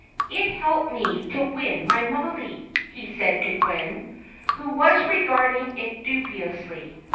"It helped me to win my Mollie," he said to Gwen, who was regarding it dubiously.